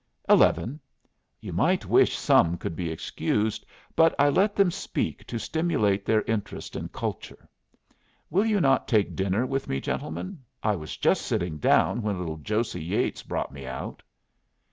"Eleven. You might wish some could be excused. But I let them speak to stimulate their interest in culture. Will you not take dinner with me, gentlemen? I was just sitting down when little Josey Yeatts brought me out."